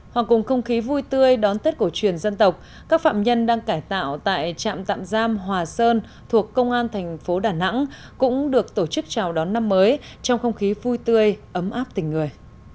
hòa cùng không khí vui tươi đón tết cổ truyền dân tộc các phạm nhân đang cải tạo tại trạm tạm giam hòa sơn thuộc công an thành phố đà nẵng cũng được tổ chức chào đón năm mới trong không khí vui tươi ấm áp tình người